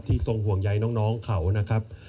ทรงห่วงใยน้องเขานะครับ